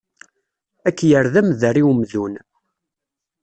Ad k-yerr d amder i umdun.